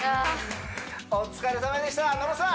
お疲れさまでした野呂さん